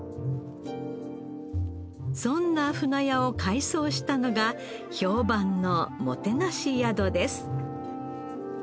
そんな舟屋を改装したのが評判のもてなし宿です